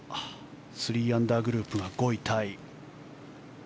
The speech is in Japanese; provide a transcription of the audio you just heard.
３アンダーグループが５位タイ。